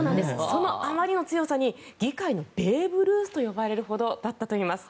そのあまりの強さに議会のベーブ・ルースと呼ばれるほどだったといいます。